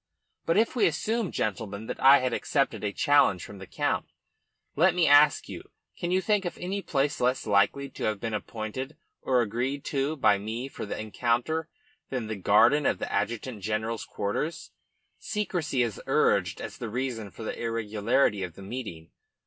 But if we assume, gentlemen, that I had accepted a challenge from the Count, let me ask you, can you think of any place less likely to have been appointed or agreed to by me for the encounter than the garden of the adjutant general's quarters? Secrecy is urged as the reason for the irregularity of the meeting.